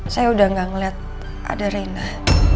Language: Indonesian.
saya udah gak ngeliat ada renah